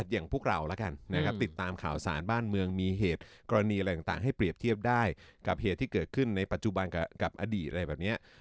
อย่างพวกเราแล้วกันนะครับติดตามข่าวสารบ้านเมืองมีเหตุกรณีอะไรต่างให้เปรียบเทียบได้กับเหตุที่เกิดขึ้นในปัจจุบันกับอดีตอะไรแบบนี้